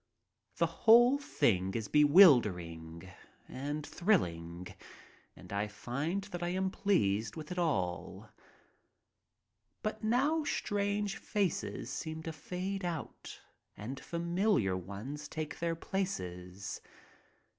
The whole thing is bewildering and thrilling and I find that I am pleased with it all. But now strange faces seem to fade out and familiar ones take their places.